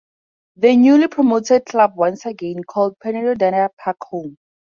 The newly promoted club once again called Penydarren Park home.